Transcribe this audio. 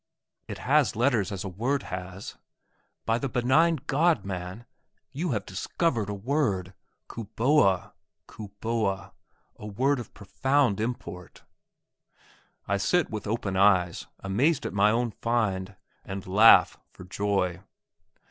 It has letters as a word has. By the benign God, man, you have discovered a word!... 'Kuboa' ... a word of profound import." I sit with open eyes, amazed at my own find, and laugh for joy.